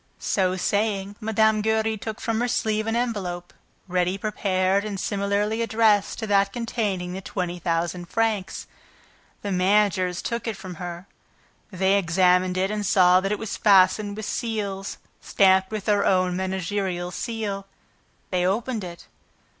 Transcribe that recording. So saying, Mme. Giry took from her sleeve an envelope ready prepared and similarly addressed to that containing the twenty thousand francs. The managers took it from her. They examined it and saw that it was fastened with seals stamped with their own managerial seal. They opened it.